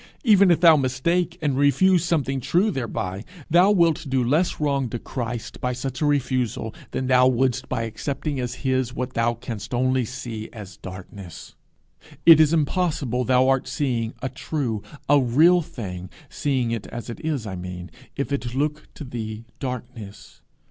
Even if thou mistake and refuse something true thereby, thou wilt do less wrong to Christ by such a refusal than thou wouldst by accepting as his what thou canst see only as darkness. It is impossible thou art seeing a true, a real thing seeing it as it is, I mean if it looks to thee darkness.